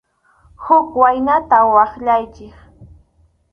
Huk waynata waqyaychik.